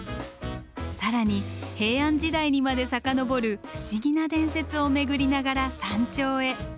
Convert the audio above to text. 更に平安時代にまで遡る不思議な伝説を巡りながら山頂へ。